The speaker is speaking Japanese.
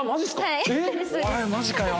マジかよ。